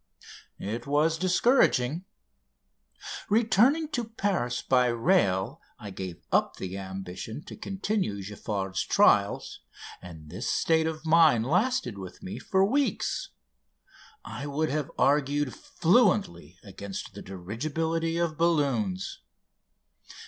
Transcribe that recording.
It was discouraging. Returning to Paris by rail I gave up the ambition to continue Giffard's trials, and this state of mind lasted with me for weeks. I would have argued fluently against the dirigibility of balloons.